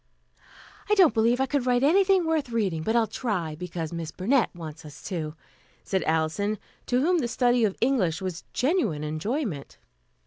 "I don't believe I could write anything worth reading, but I'll try, because Miss Burnett wants us to," said Alison, to whom the study of English was genuine enjoyment.